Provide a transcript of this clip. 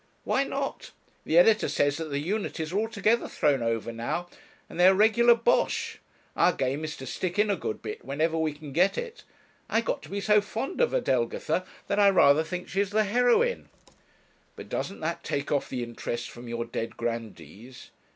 'Why not? The editor says that the unities are altogether thrown over now, and that they are regular bosh our game is to stick in a good bit whenever we can get it I got to be so fond of Adelgitha that I rather think she's the heroine.' 'But doesn't that take off the interest from your dead grandees?'